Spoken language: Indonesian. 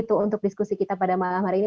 untuk diskusi kita pada malam hari ini